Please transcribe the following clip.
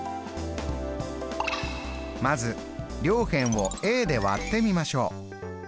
まず両辺をで割ってみましょう。